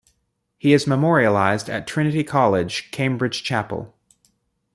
He is memorialised at Trinity College, Cambridge chapel.